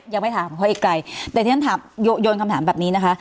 ยังไม่ถามเขาอีกไกลแต่ที่ฉันถามโยนคำถามแบบนี้นะคะ